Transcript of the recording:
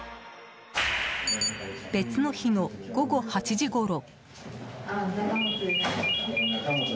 別の日の午後８時ごろ。